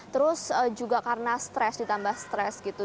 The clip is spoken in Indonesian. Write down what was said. terus juga karena stres ditambah stres gitu